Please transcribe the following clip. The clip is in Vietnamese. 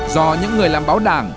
do những người làm báo đảng